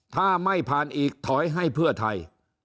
ถ้าไม่ผ่านอีกถอยให้เพื่อไทย